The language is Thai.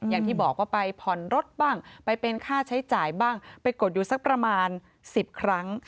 อย่างที่บอกว่าไปผ่อนรถบ้างไปเป็นค่าใช้จ่ายบ้างไปกดอยู่สักประมาณ๑๐ครั้ง